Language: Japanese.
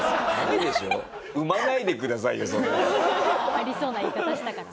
ありそうな言い方したから。